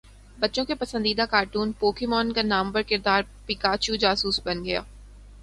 بچوں کے پسندیدہ کارٹون پوکیمون کا نامور کردار پکاچو جاسوس بن گیا